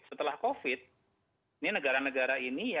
setelah covid ini negara negara ini ya